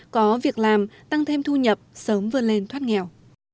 có việc làm tăng thêm thu nhập sớm vươn lên thoát nghèo